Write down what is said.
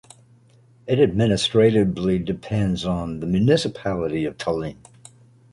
It administratively depends on the municipality of Tallinn.